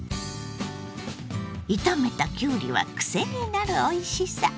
炒めたきゅうりはクセになるおいしさ。